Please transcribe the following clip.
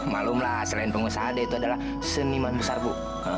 malumlah selain pengusaha dia itu adalah seniman besar bu